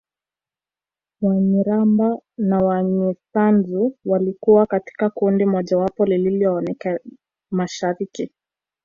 Wanyiramba na Wanyisanzu walikuwa katika kundi mojawapo lililoelekea mashariki